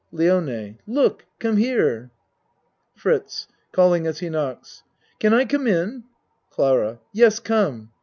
LIONE Look! Come here. FRITZ (Calling as he knocks.) Can I come in CLARA Yes, come.